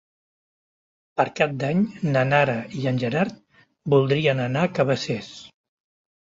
Per Cap d'Any na Nara i en Gerard voldrien anar a Cabacés.